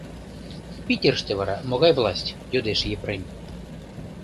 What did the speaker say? — Питерыште вара могай власть? — йодеш Епрем.